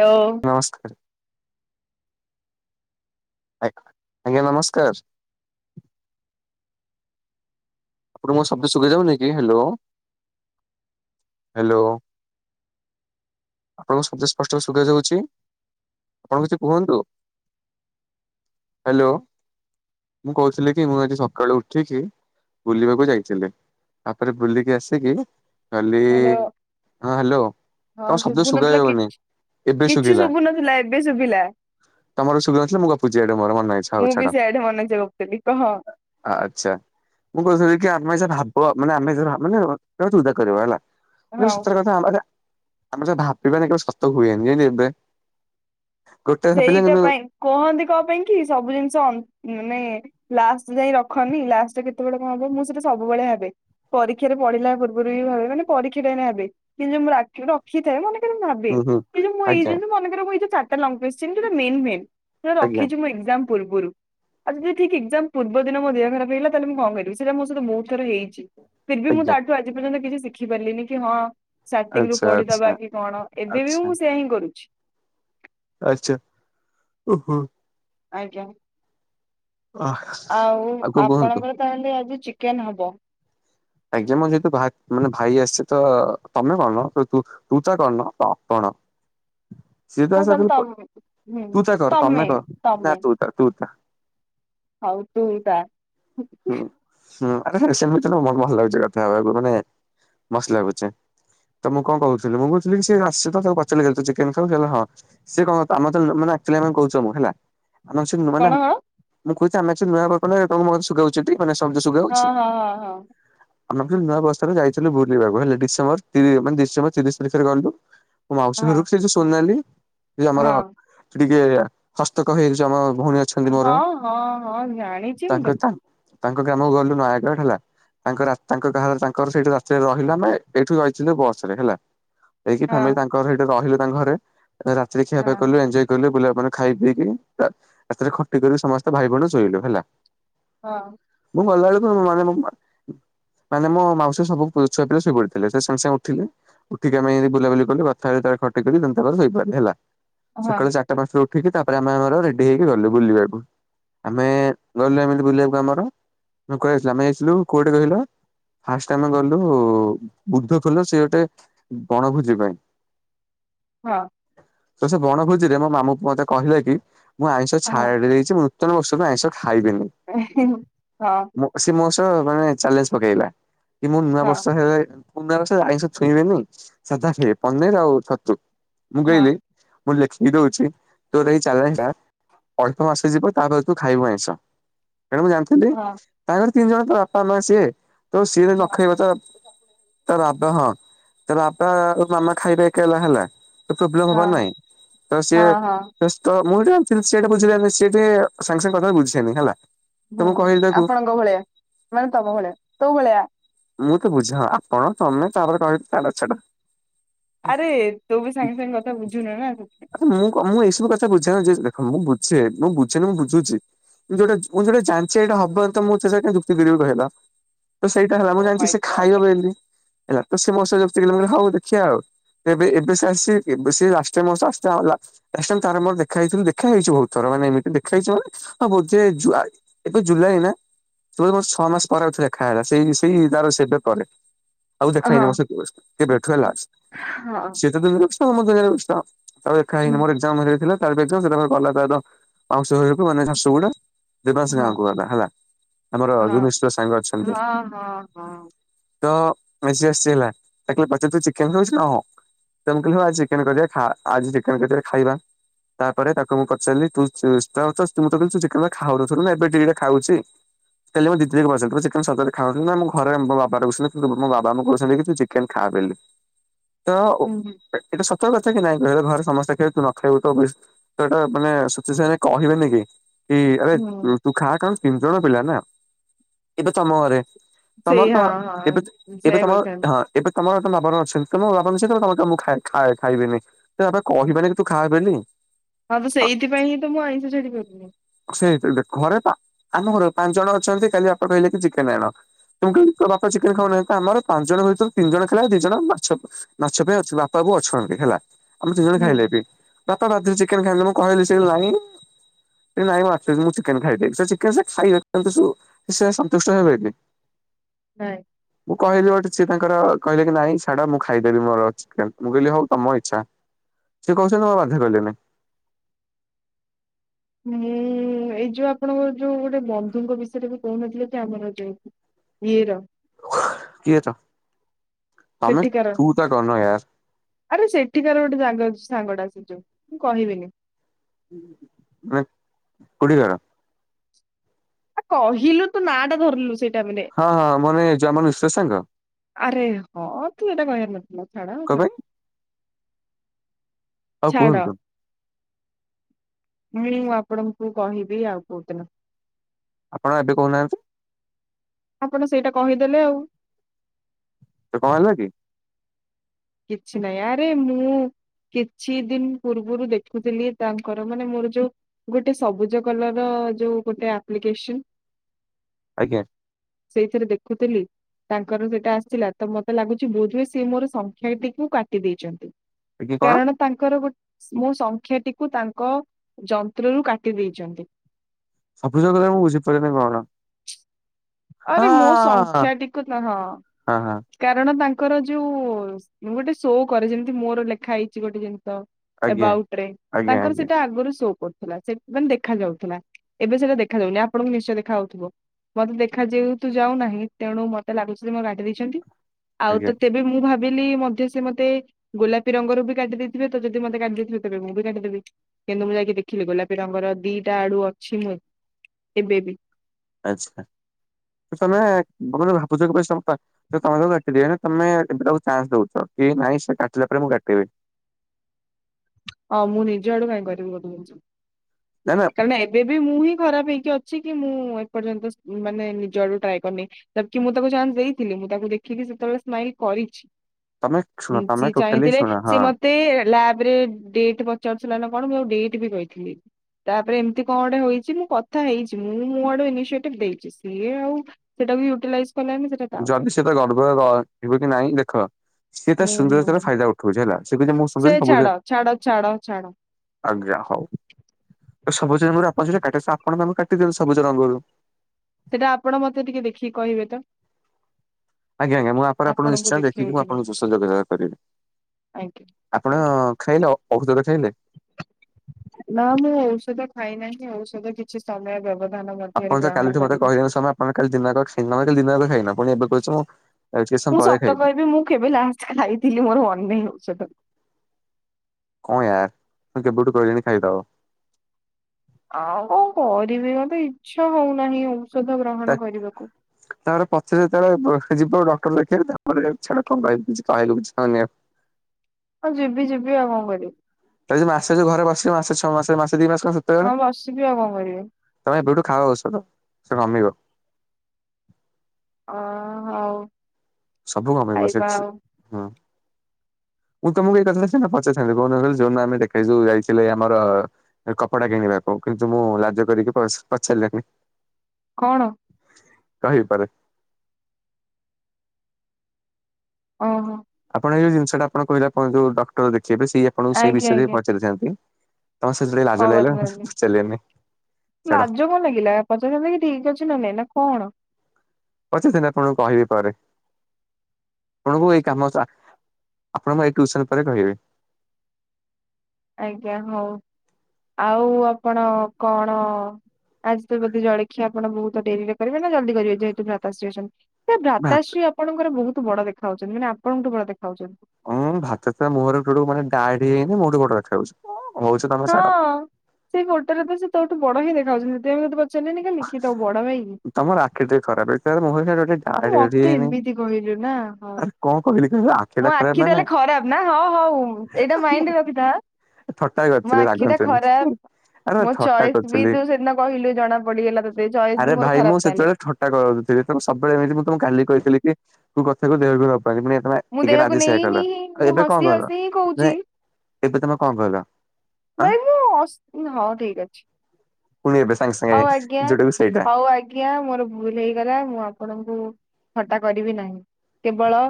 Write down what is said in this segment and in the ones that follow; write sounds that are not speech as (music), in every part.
Hello ନମସ୍କାର। ଆ ଆଜ୍ଞା ନମସ୍କାର। ଆପଣ ମୋ ଶବ୍ଦ ଶୁଖେଇ ଯାଉନ କି? Hello hello. ଆପଣଙ୍କ ସତେ ସ୍ପଷ୍ଟ ସୁବିଧା ଯାଉଛି, ଆପଣ କିଛି କୁହନ୍ତୁ? ହ୍ୟାଲୋ, ମୁଁ କହୁଥିଲି କି ମୁଁ ଆଜି ସକାଳେୁ ଉଠିକି ବୁଲିବାକୁ ଯାଇଥିଲି, ତାପରେ ବୁଲିକି ଆସିକି ଖାଲି, ହ୍ୟାଲୋ ହଁ ହାଲୋ ହଁ ଶୁଭୁ ନଥିଲା କି କିଛି ଶୁଭିଲା ଶୁଭୁନଥିଲା ଏବେ ଶୁଭିଲା। ତମର ସୁଗସଥିଲେ ମୁଁଗାପୁଛିଡ ମର ମ ନହିଁଛଉ ମୁଁ ବି ଛାଡ। ସେଆଡେ ମନଇଚ୍ଛା ଗପୁଥିଲି କହ (unintelligible) ଆଚ୍ଛା ମୁଁ କହୁଥିଲି କି ଆ ଆମେ ଯା ଭାବ ମାନେ ଆମେ ଯାହା ଭା-ମାନେ ଅ-ତମେ (unintelligible) କରିବ ହେଲା ପୁଣି ହଁ ସତର କଥା (unintelligible) ଆମେ ଯାହା ଭାବିବା ଏଟା କେବେ ସତ ହୁଏନି ନେବେ ସେଇଟା ପାଇଁ କୁହନ୍ତି କଣ ପାଇଁ କି ସବୁ ଜିନିଷ ଅନ୍-ମାନେ ଲାଷ୍ଟ ଯାଏ ରଖନି ଲାଷ୍ଟରେ କେତେବେଳେ କଣ ହବ ମୁଁ ସେଟା ସବୁବେଳେ ଭାବେ ପରୀକ୍ଷାରେ ପଢିଲା ପୂର୍ବ ବି ଭାବେ ମାନେ ପରୀକ୍ଷା ଟାଇମରେ ଭାବେ କି ନାଇ ମୁଁ ରାଖି ରଖିଥାଏ ମାନେ କି ମୁଁ ଭାବେ ହୁଁ ହୁଁ ଏଇ ଯୋଉ ମୁଁ ଏଇ ଆଜ୍ଞା ଜିନିଷ ମନେକର ମୁଁ ଏଇ ଯୋଉ ଚାରଟା ଲଙ୍ଗ୍ କୋଶ୍ଚିନ୍ କିନ୍ତୁ ମେନ୍ ମେନ୍ ହଁ ଆଜ୍ଞା ରଖିଚୁ ମୁଁ ଏଗଜାମ୍ ପୂର୍ବରୁ। ଆଉ ଯଦି ଠିକି ଏଗଜାମ୍ ପୂର୍ବ ଦିନ ମୋ ଦେହ ଖରାପ ହେଇଗଲା ତାହେଲେ ମୁଁ କଣ କରିବି ସେଇଟା ମୋ ସହିତ ବୋହୁତ ଥର ହେଇଚି। ଫିର୍ ବିି ମୁଁ ଆଜ୍ଞା ତାଠୁ ଆଜି ପର୍ଯ୍ୟନ୍ତ କିଛି ଶିଖିପାରିଲିନି କି ହଁ ଷ୍ଟାର୍ଟିଂରୁ ଆଚ୍ଛା ପଢିଦବା ଆଚ୍ଛା କି କଣ ଏବେ ବି ଆଚ୍ଛା ମୁଁ ସେୟା ହିଁ କରୁଚି। ଆଚ୍ଛା ଓହୋ। ଆଜ୍ଞା। ଆଉ କଣ କୁହନ୍ତୁ? ଆପଣଙ୍କର ତାହେଲେ ଆଜି ଚିକେନ ହବ। ଆଜ୍ଞା ମୁଁ ଯେହେତୁ ଭା-ମାନେ ଭାଇ ଆସଚି ତ ତମେ କଣମ ତ-ତୁ-ତୁ, ତା କରନ ତ ଆପଣ। (inaudible) ସିଧା ହଉ ତାହେଲେ ସାଧାରୁ ତମ ହୁଁ ପ-ତୁ ତା କର ତମେ କର ନା ତମେ ତୁ ତା, ତୁ ତା ହଉ ତୁ ତା। ହୁଁ ହୁଁ ଆରେ ହେ ସେମିତି ନୁହଁ ବୋହୁତ ଭଲ ଲାଗୁଚ କଥା ହବାକୁ ମାନେ ମସ୍ତ ଲାଗୁଚି। ତ ମୁଁ କଣ କୋହୁଥୁଲି ମୁଁ କୋହୁଥୁଲି କି ସିଏ ଆସଚି ତ ତାକୁ ପଚାରଲି ହେଲେ ତୁ ଚିକେନ ଖାଉ କହିଲେ ହଁ ସିଏ କଣ (unintelligible) ମାନେ ସେମାନଙ୍କୁ କୋହୁଚି ସବୁ ହେଲା। ଆମର ସେଠି ନୂଆ କଣ ନାଁ ହଁ ମୁଁ କୋହୁଚି ଆମେ ଆଜି ସେଠି ନୂଆ (unintelligible) ତମକୁ ମୋର ଶୁଗାହୋଉଚି ଟି ମାନେ ଶବ୍ଦ ହଁ ଶୁଭାହୋଉଛି। ହଁ ହଁ ଆମ ଫିର ନୂଆ ବର୍ଷରେ ଯାଇଛନ୍ତି ବୁଲିବାକୁ ହେଲା ଡିସେମ୍ବର ତିରି-ମାନେ ଡିସେମ୍ବର ତିରିଶ ଭିତରେ ଗଲୁ ମାଉସୀ ହଁ ଘରକୁ ସେ ଯୋଉ ସୋନାଲି ଯେ ଆମର ହଁ। ସିଏ ଟିକେ ହସ୍ତକ ହେଇଯାଉଚି ଆମ ଭୋଉଣୀ ଅଛନ୍ତି ହଁ ମୋର ହଁ ହଁ ହଁ ଜାଣିଛି ମୁଁ ତାକୁ ତାଙ୍କ-ତାଙ୍କ୍-ତାଙ୍କ ଗ୍ରାମକୁ ଗଲୁ ନୟାଗଡ଼ ହେଲା ତାଙ୍କ ରା-ତାଙ୍କ ଗାଁ ତାଙ୍କର ସେଇଠୁ ରାତିରେ ରହିଲୁ ଆମେ ଏଇଠୁ ରହିଥିଲେ ବସରେ ହେଲା। ଯାଇକି ହଁ ଫ୍ୟାମିଲି ତାଙ୍କର ହେଇଠି ରହିଲେ ତାଙ୍କ ଘରେ, ରାତିରେ ଖିଆ ହଁ ପିଆ କଲୁ ଏଞ୍ଜୟ କଲୁ ବୁଲା ମାନେ ଖାଇ ପିଇକି ରା-ରାତିରେ ଖଟି କରିକି ସମସ୍ତେ ଭାଇ ଭଉଣୀ ଶୋଇଲୁ ହେଲା। ହଁ। ଗଲାବେଳକୁ ମାନେ ମୋ ମା ମାନେ ମୋ ମାଉସୀ ସବୁ ପୁ-ଛୁଆ ପିଲା ଶୋଇ ପଡିଥିଲେ ସେ ସେଙ୍ଗ ସାଙ୍ଗେ ଉଠିଲେ ଉଠିକି ଆମେ ଏମତି ବୁଲାବୁଲି କଲେ କଥାବାର୍ତ୍ତା କ ପଠେଇ ଦେଲି ଦେନ୍ ତାପରେ ଶୋଇପିଡ଼ିଲି ହେଲା ହଁ ସକାଳ ଚାରଟା ପାଞ୍ଚଟାରୁ ଉ ଉଠିକି ତାପରେ ଆମେ ଆମର ରେଡି ହେଇକି ଗଲୁ ବୁଲିବାକୁ। ଆମେ ଗଲୁ ଏମିତି ବୁଲିବାକୁ ଆମର ଆମେ କୁଆ ଆସିଲୁ ଆମେ ଆସିଲୁ କୁଆଡ଼େ କହିଲ? ଫାଷ୍ଟେ ଆମେ ଗଲୁ ବୁଦ୍ଧ ପୋଲ ସିଏ ଗୋଟେ ବଣଭୋଜି ପାଇଁ। ହଁ। ତ ସେ ବଣଭୋଜିରେ ମୋ ମାମୁ ପୁଅ ମତେ କହିଲେ କି ମୁଁ ଆଇଁଷ ହଁ ଛାଡି ଦେଇଚି ମୁଁ ନୂତନ ବର୍ଷରୁ ଆଇଁଷ ଖାଇବିନି ହଁ ମୋ-ସେ ମୋ ସହ ମାନେ ଚାଲେଞ୍ଜ ପକେଇଲା। କି ମୁଁ ନୂଆ ବର୍ଷ ହେଲେ ମୁଁ ନୂଆ ବର୍ଷରେ ଆଇଁଷ ଛୁଇଁବିନି ସାଧା ଖାଇବେ ପନିର ଆଉ ଛତୁ। ମୁଁ ହଁ କଇଲି ମୁଁ କଇଲି ଲେଖି ଇଦୋଉଛି ତୋର ଏଇ ଚ୍ୟାଲେଞ୍ଜଟା ଅଳ୍ପ ମାସ ଯିବ ତାପରେ ତୁ ଖାଇବୁ ଆଇଁଷ। କାରଣ ମୁଁ ଜାଣିଥିଲି ହଁ। ତାଙ୍କର ତିନି ଜଣ ତା ବାପା, ମାଆ, ସିଏ ତ ସିଏ ଯଦି ହଁ ନଖେଇବ ତା ତା ବାବା ହଁ ତା ବାବା ଓ ମାମା ଖାଇବେ ଏକେଲା ହେଲା। ପ୍ରୋବ୍ଲେମ ହବା ନା ହଁ ନାଇଁ ତ ସିଏ ହଁ ହଁ ବ୍ୟସ୍ତ ମୁଁ ଜାଣିଥିଲି ସେ ଏଟା ବୁଝିଲାନି ସିଏ ଟିକେ ସାଙ୍ଗେ ସାଙ୍ଗେ କଥାଟା ବୁଝେନି ହେଲା। ତ ହୁଁ ମୁଁ କହିଲି ତାକୁ ଆପଣଙ୍କ ଭଳିଆ ମାନେ ତମ ଭଳିଆ ତୋ ଭଳିଆ। ମୁଁ ତ ବୁଝା ଆପଣ ତମେ ତାପରେ କହି ଛାଡ଼ ଛାଡ଼। ଆରେ ତୁ ବି ସାଙ୍ଗେ ସାଙ୍ଗେ କଥା ବୁଝୁନା ନା ସେଥିପାଇଁ। ଆରେ ମୁଁ ମୁଁ ଏଇସବୁ କଥା ବୁଝେ ଦେଖ ମୁଁ ବୁଝେ ମୁଁ ବୁଝେନି ମୁଁ ବୁଝୁଛି। ମୁଁ ଯୋଉଟା ମୁଁ ଯୋଉଟା ଜାଣିଛି ଏଇଟା ହବନି ତ ମୁଁ ସେ ଯୁକ୍ତିିବି କହିଲ ତ ସେଇ ହେଲା ଓ ମୁଁ ଜାଣିଛି ମାଇ ସେ ଗଡ୍ ଖାଇଅବେଲି ହେଲା ସିଏ ମୋ ସହ ଯୁକ୍ତି କଲା ମୁଁ କହିଲି ହଉ ଦେଖିଆ ଆଉ ଏବେଏବେ ସେ (unintelligible) ଲାଷ୍ଟ ଟାଇମ୍ ତାର ମୋର ଦେଖା ହେଇଥିଲୁ ଦେଖା ହେଇଛୁ ବହୁତ ଥର ମାନେ ଏମିତି ଦେଖା ହେଇଛି ମାନେ ହଁ ବୋଧେ ଜ୍ଜ୍ୱା ଏବେ ଜୁଲାଇ ନା ସେ ମୋର ଛଅ ମାସ ପରେ ଆଉ ଥରେ ଦେଖା ହେଲା ସେଇ ସେଇ ତାର ସେବେ ପରେ ଆଉ ହଁ ଦେଖା ହେଇନି ମ କେବେଠୁ ହଁ ସେତ (unintelligible) ଆଉ ହୁଁ ଦେଖାନି ମୋର ଏକଜାମ୍ ହେଇଯାଇଥିଲା ତାର ବି ଏକଜାମ୍ ସେ ତାର ଗଲା ତାର ମାଉସୀ ଘରକୁ ମାନେ ଝାରସୁଗୁଡା ଦେବାଂଶ ହଁ ଗାଁ କୁ ଗଲା ହେଲା ଆମର ହଁ (unintelligible) ସାଙ୍ଗ ଅଛନ୍ତି। ହଁ ହଁ ହଁ ତ ବସି ଆସଛି ହେଲା ତାକୁ ଯେବେ ପଚାରିଲି ତୁ ଚିକେନ ଖାଉଛୁ ନାହିଁ। ତ ମୁଁ କହିଲି ହଁ ଆଜି ଚିକେନ କରିଆ ଖାଆ ଆଜି ଚିକେନ କରିଆ ଖାଇବା। ତାପରେ ତାକୁ ମୁଁ ପଚାରିଲି ତୁୁ ତୁ ମୁଁ ତ କହିଲି ଚିକେନ ଖାଉନ ଥିଲୁ ନା ଏବେ ଧୀରେ ଧୀରେ ଖାଉଛି। (unintelligible) ସକାଳେ ଖାଉଛନ୍ତି ନା ଆମ ଘରେ ମୋ ବାବା କହୁଛନ୍ତି କିନ୍ତୁ ମୋ ବାବାଁ ମାମା କହୁଛନ୍ତି କି ତୁ ଚିକେନ ଖାଆ ବେଲି ତ ହୁଁ ଏଇଟା ସତ ସତ କଥା କି ନାଇଁ ଘରେ ଘରେ ସମସ୍ତେ ଖାଇବେ ତୁ ନ ଖାଇବୁ ଯଦି ତତେ ସମସ୍ତେ କହିବେନି କି? କି ଆରେ ହୁଁ ତୁ ଖା କାରଣ ତିନି ଜଣ ପିଲା ନା କିନ୍ତୁ ତମ ଘରେ ସେଇ ତମର ହଁ ଏବେ ତ ହଁ ଏ ଏବେ ସେୟା ତର କହିଥାନ୍ତି ହଁ ଏ ଏବେ ତମ ଘରେ ତମ ବାବା ଅଛନ୍ତି ତମ ବାବ (unintelligible) ଖଏ ଖାଇବିନି ତମ ଏବେ କହିବେନି କି ତୁ ଖାଏ ବେଲି ହଁ ତ ସେଇଥିପାଇ ହିଁ ତ ମୁଁ ଆଇଁଷ ଛାଡି ପାରୁନି। ସେଇ ଘରେ ଆମ ଘର ପାଞ୍ଚ ଜଣ ଅଛନ୍ତି କାଲି ବାପା କହିଲେ କି ଚିକେନ ଆଣ। ତ ମୁଁ କହିଲି କ ବାପା ଚିକେନ ଖାଉନାହାନ୍ତି ତ ଆମର ପାଞ୍ଚ ଜଣ ଭିତରୁ ତିନି ଜଣ ଖାଇଲା ବେଳେ ଦି ଜଣ ମାଛ ମାଛ ପାଇଁ ଅଛୁ ବାପା ବୁ ଅଛନ୍ତି ହେଲା। ଆମ ଚିକେନ ହୁଁ ଖାଇଲେ ବି ବାପା ବାଧ ଚିକେନ ଖାଇ ମୁ କହିଲି ସେ ନାଇଁ। ନାଇଁ ମୁଁ ଆ ମୁଁ ଚିକେନ ଖାଇଦେବେ ସେ ଚିକେନ ସେ ଖାଇବେ କିନ୍ତୁ ସନ୍ତୁଷ୍ଟ ହେବେନି। ନାଇଁ ମୁଁ କହିଲି ଗୋଟେ ସିଏ ତାଙ୍କର କହିଲେ କି ନାଇଁ ଛାଡ଼ ମୁଁ ଖାଇଦେବି ମୋର ଚିକେନ ମୁଁ କହିଲି ହଉ ତମ ଇଚ୍ଛା। ସିଏ କହୁଛନ୍ତି ମୁଁ ଆଉ ବାଧ୍ୟ କଲିନି। ହଁ ଏଇ ଯୋଉ ଆପଣଙ୍କ ଯୋଉ ଗୋଟେ ବନ୍ଧୁଙ୍କ ବିଷୟରେ ବି କହୁନଥିଲେ ତ ଆମର ଯୋଉ ଇର କିଏ ତ? ତମେ ସେଠିକାର ତୁ ତା କରନ ୟାର ଆରେ ସେଠିକାର ଗୋଟେ ସାଙ୍ଗ ସାଙ୍ଗଟା। ମୁଁ କହିବିନି। (unintelligible) ଆ କହିଲୁ ତୁ ନାଟା ଧରିଲୁ ସେଇ ଟାଇମ ରେ ହଁ ହଁ ମାନେ ଜମନ ମିଶା ସାଙ୍ଗ। ଆରେ ହଁ ତୁ ଏଟା କହିବାର ନଥିଲା ଛାଡ କଣ ଛା ପାଇଁ ଆଉ କୁହନ୍ତ। ମୁଁ ଆପଣଙ୍କୁ କହିବି ଆଉ କୋଉ ଦିନ। ଆପଣ ଏବେ କୋହୁନାହାନ୍ତି। ଆପଣ ସେଇଟା କହିଦେଲେ ଆଉ। ତ କଣହେଲା କି? କିଛି ନାହିଁ ଆରେ ମୁଁ କିଛି ଦିନ୍ ପୂର୍ବରୁ ଦେଖୁଥିଲି ତାଙ୍କର ମାନେ ମୋର ଯୋଉ ଗୋଟେ ସବୁଜ କଲରର (unintelligible) ଯୋଉ ପଟେ ଆପ୍ଲିକେସନ ଆଜ୍ଞା। ସେଇଥିରେ ଦେଖୁଥିଲି ତାଙ୍କର ସେଟା ଆସିଲା ତ ମତେ ଲାଗୁଚି ବୋଧ ହୁଏ ସିଏ ମୋର ସ ଖିଆପିକୁ କାଟି ଦେଇଚନ୍ତି ଆଜ୍ଞା କଣ କାରଣ ତାଙ୍କର ଗୋ ମୋ ସଂଖ୍ୟାଟିକୁ ତାଙ୍କ ଯନ୍ତ୍ରରୁ କାଟି ଦେଇଚନ୍ତି। ସବୁଜ କଲର ମୁଁ ବୁଝିପାରିଲିନୀ କଣ? ହଁ ଆରେ ମୋ ହଁ ସଂଖ୍ୟାଟିକୁ ହଁ ହଁ ହଁ କାରଣ ତାଙ୍କୁ ର ଯୋଉ ମୁଁ ଗୋଟେ ଶୋ କରେ ଯେମିତି ମୋର ଲେଖା ହେଇଛି ଗୋଟେ ଯେମିତି ଏ ଆଜ୍ଞା ବାଉଟରେ ଆଜ୍ଞା ତାଙ୍କର ଆଜ୍ଞା ସେଟା ଆଗରୁ ସୋ କରୁଥିଲା ସେ ମାନେ ଦେଖା ଯାଉଥିଲା ଏବେ ସେଇଟା ଦେଖାଯାଉନି ଆପଣଙ୍କୁ ନିଶ୍ଚୟ ଦେଖାଯାଉଥିବ ମତେ ଦେ ଖା ଯେଉ ତୁ ଯାଉ ନାହିଁ ତେଣୁ ମତେ ଲାଗୁଛି ମୋ କାଟିି ଦେଇଛନ୍ତି ଆଉ ଆଜ୍ଞା ତ ତେବେ ମୁଁ ଭା ବିଲି ମଧ୍ୟ ସେ ମୋତେ ଗୋଲାପୀ ରଙ୍ଗ ର କାଟି ଦେଇଥିବେ ତ ଯଦି ମତେ କାଟି ଦେଇଥିବେ ତେବେ ମୁଁ ବି କାଟିଦେବି। କିନ୍ତୁ ମୁଁ ଯାଇକି ଦେଖିଲି ଗୋଲାପୀ ରଙ୍ଗର ଦିଟା ଆଳୁ ଅଛି ମୁଁ ଏବେ ବି। ଆଚ୍ଛା। ତମେ ଭାବୁଛ ତମ କାଟି ତମେ ଏକୁଟିଆ ନା ଚାନ୍ସ ଦେଉଛ। କି ନାଇ ସେ କାଟିଲା ପରେ ମୁଁ କାଟିବି। ହଁ ମୁଁ ନିଜ ଆଡୁ କାହିଁକି କରିବି ଗୋଟେ ଜିନିଷ? ନା ନା କାରଣ ଏବେ ବି ମୁଁ ହିଁ ଖରାପ ହେଇକି ଅଛି କି ମୁଁ ଏପର୍ଯ୍ୟନ୍ତ ମାନେ ନିଜ ଆଡୁ ଟ୍ରାଏ କରିନି ତ ମୁଁ ତାକୁ ଚାନ୍ସ ଦେଇଥିଲି ମୁଁ ତାକୁ ଦେଖିକି ସେତେବେଳେ ସ୍ମାଇଲ କରିଛି। ତମେ ଶୁଣ ତମେ ସିଏ ଟୋଟାଲି ଚାହିଁଥିଲେ ଶୁଣ ସି ହଁ ମତେ ଲ୍ୟାବରେ ଡେଟ୍ ପଚାରୁଥିଲା ନା କଣ ମୁଁ ଡିଟ୍ ବି କହିଥିଲି। ତାପରେ ଏମିତି କଣ ଗୋଟେ ହେଇଛି ମୁଁ କଥା ହେଇଛି ମୁଁ ମୋ ଆଡୁ ଇନିସି ଲେଟର୍ ଦେଇଛି ସିଏ ୟୁଟିଲାଇଯ ଯଦି ସେ ତା ଗାଡର ରହିବ କି ନାହିଁ ଦେଖ ସିଏ ତା ହୁଁ ସୁନ୍ଦରତାର ହୁଁ ଫାଇଦା ଉଠଉଛି ହେଲା। ସେମିତି ମୋ ସେ ସାଙ୍ଗରେ ଯିବୁ ଛାଡ ଯେ ଛାଡ ଛାଡ ଛାଡ ଆଜ୍ଞା ହଉ। ସବୁଜ ରଙ୍ଗରେ ଆପଣ ସେଟା କୁ ଆପଣ ଆମେ କାଟିଦେବେ ସବୁଜ ରଙ୍ଗରୁ। ସେଟା ଆପଣ ମତେ ଟିକେ ଦେଖିକି କହିବେ ତ? ଆଜ୍ଞା ଆଜ୍ଞା ମୁଁ ଆପଣଙ୍କ ଆପଣଙ୍କୁ ନିଶ୍ଚୟ ଦେଖିକି ମୁଁ ଦେଖେଇଉଛି ନା ନାଇଁ। ଆପଣଙ୍କୁ ଯୋଗାଯୋଗ କରିବି। ଆଜ୍ଞା। ଆପଣ ଖାଇଲ ଔଷଧ ଖାଇଲେ? ନା ମୁଁ ଔଷଧ ଖାଇନାହିଁ ଔଷଧ କିଛି ସମୟ ବ୍ୟବଧାନ ଆପଣ ମଧ୍ୟରେ ତ ଗ୍ରହଣ କାଲିଠୁ ମତେ କରିବି। କହିିଲେନି ସମୟ ଆପଣ କାଲି ଦିନକ ଆଙ୍କ କାଲି ଦିନଆଙ୍କ ଖାଇନ ପୁଣି ଏବେ କହୁଛ ମୁଁ ଆଉ ଟିକେ ସମୟ ମୁଁ ପରେ ସତ ଖାଇବି କହିବି ମୁଁ କେବେ ଲାଷ୍ଟ୍ ଖାଇଥିଲି ମୋର ମନ ନାହିଁ ହଉ ସେ କଣ ୟାର ତୁମକୁ କେବେଠୁ କହିଲିଣିି ଖାଇଦବ? ଆଉ କରିବି ବୋଲି ଇଚ୍ଛା ହଉନାହିଁ ଆଉ। ହେ ତାର ପଛରେ ଯେତେବେଳେ ଯିବ ଡକ୍ଟର ଲେଖାଇବ ତାପରେ ଛଡା କଣ କ କହୁ (unintelligible) ହଁ ଯିବି ଯିବି ଆଉ କଣ କରିବି? ତା ଯ ମାସେ ଯୋଉ ଘରେ ବସିବ ମାସେ ଛଅ ମାସ ମାସେ ଦି ମାସ କଣ ସେତେବେଳେ ଆଉ ବସିବି ଆଉ କଣ କରିବି। ତମେ ଏବେଠୁ ଖାଓ ଔଷଧ ସେ କମିବ। ଅ ହଉ। ସବୁ କାମେଇ ସେ ଖାଇବା ଆଉ ହୁଁ। ମୁଁ ତମକୁ ଏଇ କଥାଟା ସିନା ପଚାରିଥାଆନ୍ତି କୋଉ ଦିନ କହିଲା ଯୋଉ ଦିନ ଆମେ ଦେଖାଇଥିଲେ ଯାଇଥିଲେ ଆମର କପଡା କିଣିବାକୁ। କ କିନ୍ତୁ ମୁଁ ଲାଜ କରିକି ପଚାରିଲିନି। କଣ? କହିପାରେ? ଓହୋ। ଆପଣ ଏଇ ଜିନିଷଟା ଆପଣ କହିଲେ ଆପଣ ଯୋଉ ଡକ୍ଟର ଦେଖେଇବେ ସେଇ ଆପଣଙ୍କୁ ସେଇ ଆଜ୍ଞା ବିଷୟରେ ହିଁ ଆଜ୍ଞା। ପଚାରିଥାନ୍ତି। ତମର ସହିତ ଲାଜ କବାଟ ଲାଗିଲା ଧରିଲି। ପଚାରିବାର ନାହିଁ। ଲାଜ କଣ ଲାଗିଲା ପଚାର ଠିକ ଅଛି ନା ନାଇଁ କଣ? ପଚାରିଥିନି ଆପଣଙ୍କୁ କହିବି ପରେ। ଆପଣଙ୍କୁ ଏଇ କାମ ଆପଣଙ୍କୁ ଏଇ ଟ୍ୟୁସନ ପରେ କହିବି।। ଆଜ୍ଞା ହଉ ଆଉ ଆପଣ କଣ ଆଜି ତ ବୋଧେ ଜଳଖିଆ ଆପଣ ବହୁତ ଡେରିରେ କରିବେ ନା ଜଲ୍ଦି କରିବେ ଯେହେତୁ ମାତା ଶ୍ରୀ ଅଛନ୍ତି। ସେ ଭାତ ଭ୍ରାତାଶ୍ରୀ ଆପଣଙ୍କର ବହୁତ ବଡ ଦେଖାଉହଛନ୍ତି ମାନେ ଆପଣଙ୍କଠୁ ବଡ ଦେଖାହଉଛନ୍ତି। ହଁ ଭାତ ତ ମୁହଁରେ ମାନେ ଗାଢି ହେଇନି ମୋ ଠୁ ଗୋଟେ ରଖାଯାଉଛି। ହଁ ସେ ଗୋଟେରେ ତ ସେ ତୋଠୁ ବଡ ହି ଦେଖା ଯାଉଛି ଯଦି ମୋତେ ପଚାରିବୁ। ସେନା ନିକା ଲିକି ତ ବଡ ତମର ଆଖି ଟିକେ ଖରାପ ତାର ମୁହଁରେ ଗୋଟେ ଭାଇକି ଦାଢି ମତେ ହେଇନି ଏମିତି କହିଲେ। ନା ହଁ। ଆରେ କଣ କହିଲି କହିଲ ମୋ ଆଖିଟା ଖରାପ ଆଖି ମାନେ ତାହେଲେ ଖରାପ ନା ହଉ ହଉ ଏଇଟା ମାଇଣ୍ଡରେ ରଖିଥା ହା। ଥଟ୍ଟା ମୋ କରିଥିଲି ଆଖି ଟା ରାଗନ୍ତୁନି ଖରାପ। ଆରେ ମୋ ଥଟ୍ଟା ଚଏସ ବି କରିଥିଲି। ତୁ ସେଦିନ କହିଲୁ ଜଣା ପଡିଗଲା ତତେ ଚଏସ ବି ମୋର ଖରାପ ତାହାଲେ। ତ ସବୁବେଳେ ଏମିତି ମୁଁ ତମକୁ କାଲି କହିଥିଲି କି ତୁ କଥାକୁ ଦେହକୁ ରବ। କିନ୍ତୁ ତମେ ମୁଁ ଏଗେନ୍ ଦେହକୁ ଆଜି ସେୟା ନେଇନି କଲ ହିଁ ଆଉ ମୁଁ ଏବେ କଣ ହସି କହିଲ ହସି ହିଁ କହୁଛି। ନା? ଏବେ ତମେ କଣ କହିଲ? ଭାଇ ମୁଁ ଅସ୍ ହଁ ଠିକ ଅଛି। ପୁଣି ଏବେ ସାଙ୍ଗେ ସାଙ୍ଗେ ହଉ ଆଜ୍ଞା ଯୋଉଟାକୁ ସେଇଟା ହଉ ଆଜ୍ଞା ମୋର ଭୁଲ ହେଇଗଲା ମୁଁ ଆପଣଙ୍କୁ ଥଟା କରିବି ନାହିଁ କେବଳ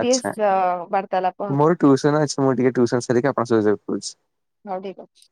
ଆଚ୍ଛା। ବା ବାରତାଲାପ ହେବ। ମୋର ଟ୍ୟୁସନ ଅଛି ମୁଁ ଟିକେ ଟ୍ୟୁସନ ସାରିକି ଆପଣଙ୍କ ସହ ଯୋଗାଯୋଗ କରୁଛି। ହଁ ଠିକ ଅଛି?